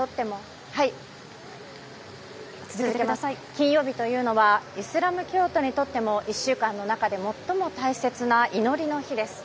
金曜日というのはイスラム教徒にとっても１週間の中で最も大切な祈りの日です。